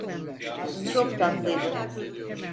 Çok tatlıydın.